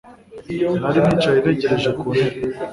Nari nicaye ntegereje ku ntebe